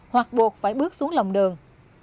hoặc buộc phải bước xuống lòng đường